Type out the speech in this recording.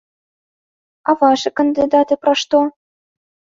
А вашы кандыдаты пра што?